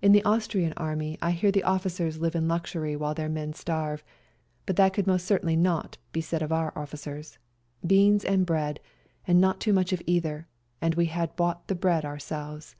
In the Austrian Army I hear the officers live in luxury while their men starve, but that could most certainly not be said of our officers — beans and bread, and not too much of either, and we had bought the bread ourselves.